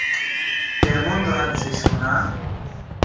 কেমন লাগছে, সোনা?